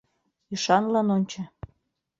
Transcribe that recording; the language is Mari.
Ӱшанлын ончо.